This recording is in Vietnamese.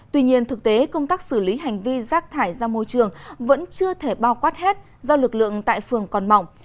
tuy nhiên thực tế công tác xử lý hành vi rác thải ra môi trường vẫn chưa thể bao quát hết do lực lượng tại phường còn mỏng